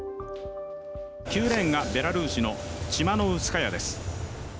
９レーンが、ベラルーシのチマノウスカヤです。